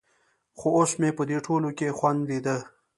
خو اوس مې په دې ټولو کښې خوند ليده.